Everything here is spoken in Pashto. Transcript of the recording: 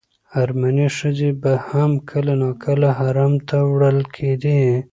ارمني ښځې به هم کله ناکله حرم ته وړل کېدې.